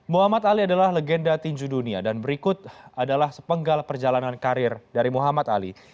muhammad ali adalah legenda tinju dunia dan berikut adalah sepenggal perjalanan karir dari muhammad ali